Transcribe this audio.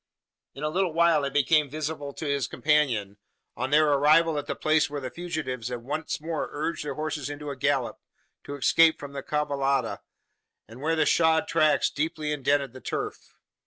In a little while it became visible to his companion on their arrival at the place where the fugitives had once more urged their horses into a gallop to escape from the cavallada, and where the shod tracks deeply indented the turf.